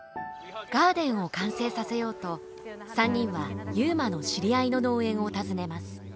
ガーデンを完成させようと３人は悠磨の知り合いの農園を訪ねます。